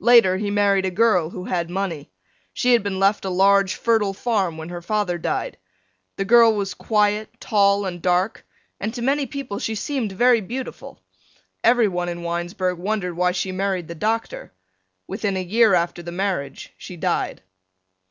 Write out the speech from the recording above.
Later he married a girl who had money. She had been left a large fertile farm when her father died. The girl was quiet, tall, and dark, and to many people she seemed very beautiful. Everyone in Winesburg wondered why she married the doctor. Within a year after the marriage she died.